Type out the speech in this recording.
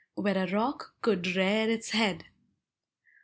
Where a rock could rear its head.